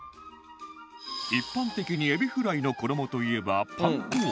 一般的にエビフライの衣といえばパン粉を